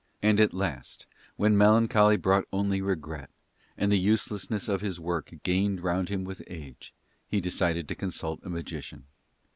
And at last, when melancholy brought only regret and the uselessness of his work gained round him with age, he decided to consult a magician.